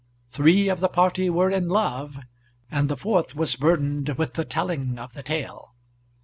Three of the party were in love, and the fourth was burdened with the telling of the tale.